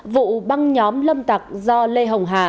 vụ băng nhóm lâm tặc do lê hồng hà